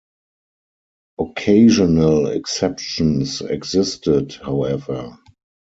Occasional exceptions existed, however.